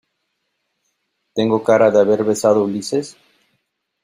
¿ tengo cara de haber besado a Ulises?